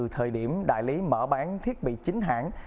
thời điểm đại lý mở bán thiết bị chính hãng